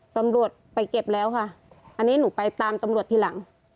ตำรวจไปเก็บแล้วค่ะอันนี้หนูไปตามตำรวจทีหลัง